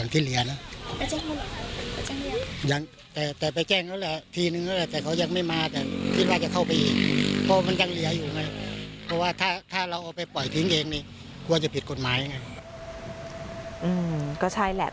เพราะว่าถ้าเราเอาไปปล่อยถิ่งเองควรจะผิดกฎหมาย